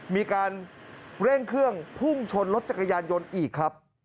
มีการเร่งเครื่องพุ่งชนรถจักรยานยนต์อีกครับ